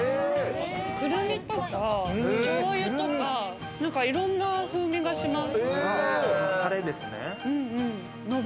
クルミとかしょうゆとかいろんな風味がします。